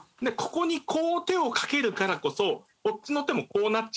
ここにこう手をかけるからこそこっちの手もこうなっちゃうんですよ。